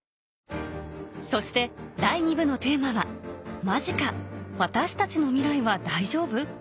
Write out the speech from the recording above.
そして第２部のテーマは「マジか⁉私たちの未来は大丈夫？」